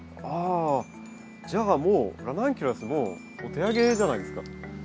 あじゃあもうラナンキュラスもうお手上げじゃないですか？